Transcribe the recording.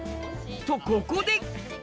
とここで！